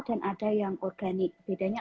dan ada yang organik bedanya